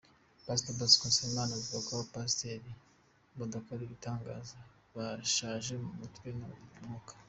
Pastor Bosco Nsabimana avuga ko abapasiteri badakora ibitangaza bashaje mu mutwe no mu mwuka.